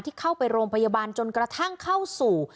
ที่เข้าไปโรงพยาบาลจนกระทั่งเข้าสู่